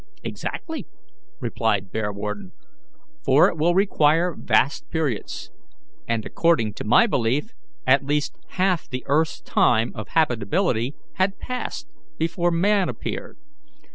"Exactly," replied Bearwarden, "for it will require vast periods; and, according to my belief, at least half the earth's time of habitability had passed before man appeared.